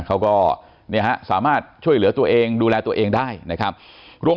เขาก็สามารถช่วยเหลือตัวเองดูแลตัวเองได้นะครับโรง